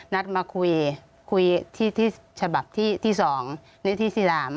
นัดมาคุยที่ฉบับที่๒และที่๓